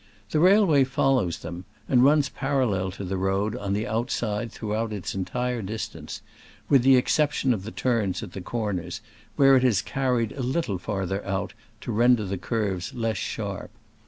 The railway follows them, and runs parallel to the road on the outside throughout its entire distance, with the exception of the turns at the corners, where it is carried a little farther out, to render the curves less sharp.